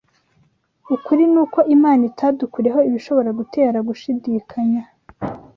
Ukuri ni uko Imana itadukuriyeho ibishobora gutera gushidikanya